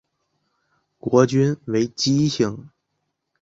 国君为姬姓。